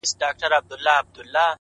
میکده په نامه نسته؛ هم حرم هم محرم دی؛